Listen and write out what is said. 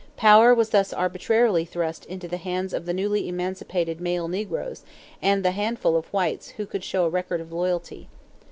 Power was thus arbitrarily thrust into the hands of the newly emancipated male negroes and the handful of whites who could show a record of loyalty.